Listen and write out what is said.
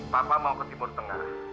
papa mau ke timur tengah